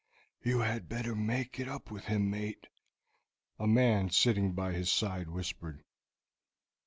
"You had better make it up with him, mate," a man sitting by his side whispered.